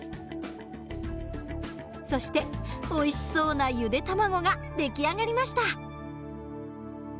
そしておいしそうなゆで卵が出来上がりました。